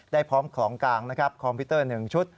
พร้อมของกลางนะครับคอมพิวเตอร์๑ชุด